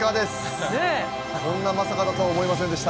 こんなまさかだとは思いませんでした。